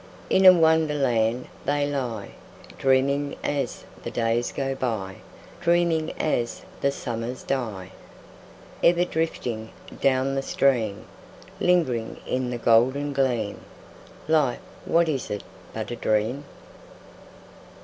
In a Wonderland they lie, Dreaming as the days go by, Dreaming as the summers die: Ever drifting down the stream— Lingering in the golden gleam— Life, what is it but a dream?